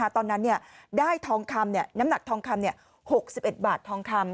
ตอนนั้นได้ทองคำน้ำหนักทองคำ๖๑บาททองคำ